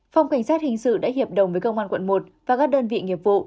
phòng cảnh sát hình sự đã hiệp đồng với công an quận một và các đơn vị nghiệp vụ